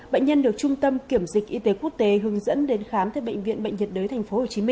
bệnh nhân được trung tâm kiểm dịch y tế quốc tế hướng dẫn đến khám tại bệnh viện bệnh nhiệt đới tp hcm